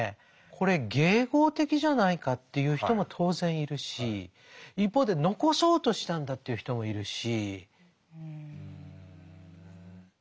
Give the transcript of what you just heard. これ迎合的じゃないかって言う人も当然いるし一方で残そうとしたんだと言う人もいるし。